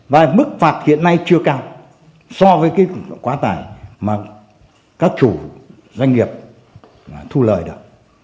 và mức phạt hiện nay chưa cao so với cái quá tải mà các chủ doanh nghiệp thu lời được